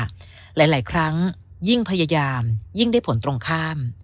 หลายครั้งยิ่งพยายามยิ่งได้ผลตรงข้าม